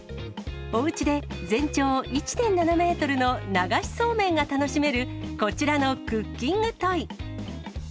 おうちで全長１．７メートルの流しそうめんが楽しめる、こちらのクッキングトイ。